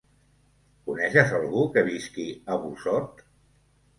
Coneixes algú que visqui a Busot?